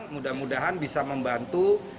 mudah mudahan bisa membantu